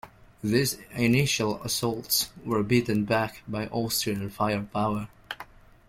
These initial assaults were beaten back by Austrian firepower.